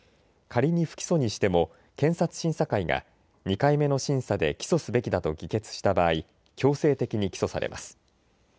仮に不起訴にしても検察審査会が２回目の審査で起訴すべきだと議決した場合、強制的に起訴されます。